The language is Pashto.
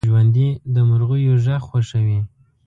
ژوندي د مرغیو غږ خوښوي